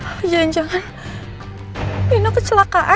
jangan jangan nino kecelakaan